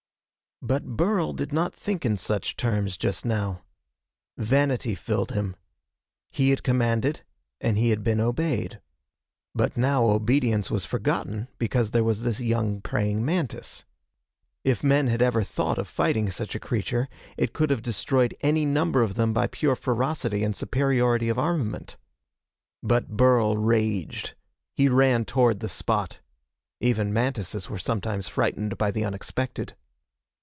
But Burl did not think in such terms just now. Vanity filled him. He had commanded, and he had been obeyed. But now obedience was forgotten because there was this young praying mantis. If men had ever thought of fighting such a creature, it could have destroyed any number of them by pure ferocity and superiority of armament. But Burl raged. He ran toward the spot. Even mantises were sometimes frightened by the unexpected.